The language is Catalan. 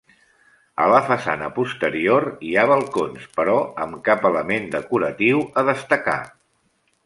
A la façana posterior hi ha balcons, però amb cap element decoratiu a destacar.